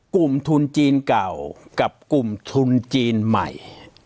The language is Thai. กลุ่มทุนจีนเก่ากับกลุ่มทุนจีนใหม่